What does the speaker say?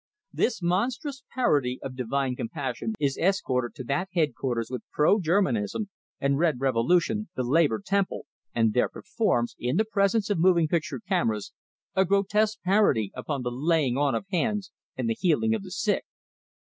This monstrous parody of divine compassion is escorted to that headquarters of Pro Germanism and red revolution, the Labor Temple, and there performs, in the presence of moving picture cameras, a grotesque parody upon the laying on of hands and the healing of the sick.